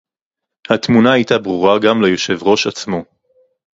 התמונה היתה ברורה גם ליושב-ראש עצמו